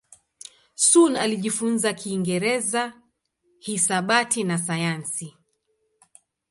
Sun alijifunza Kiingereza, hisabati na sayansi.